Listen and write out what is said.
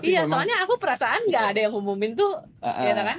iya soalnya aku perasaan gak ada yang ngumumin tuh